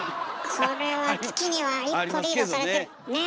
これは月には一歩リードされてるねえ？